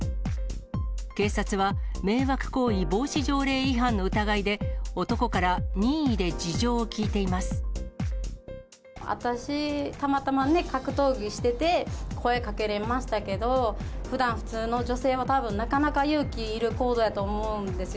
警察は、迷惑行為防止条例違反の疑いで、私、たまたまね、格闘技してて、声かけれましたけど、ふだん、普通の女性はたぶん、なかなか勇気いる行動やと思うんですよ。